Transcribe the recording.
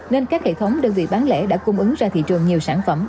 nên các hệ thống đơn vị bán lẻ đã cung ứng ra thị trường nhiều sản phẩm